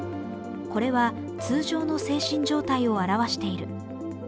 これは通常の精神状態を表している。